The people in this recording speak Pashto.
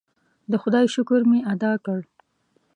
د خدای شکر مې ادا کړ.